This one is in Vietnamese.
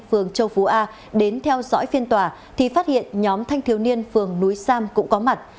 phường châu phú a đến theo dõi phiên tòa thì phát hiện nhóm thanh thiếu niên phường núi sam cũng có mặt